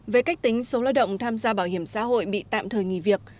về cách tính số lao động tham gia bảo hiểm xã hội bị tạm thời nghỉ việc